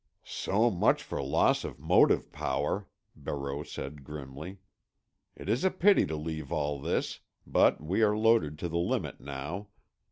"So much for loss of motive power," Barreau said grimly. "It is a pity to leave all this, but we are loaded to the limit now.